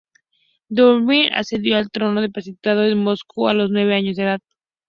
Dmitri accedió al trono del principado de Moscú a los nueve años de edad.